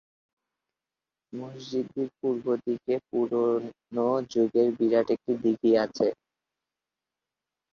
মসজিদটির পূর্ব দিকে পুরনো যুগের বিরাট একটি দিঘী আছে।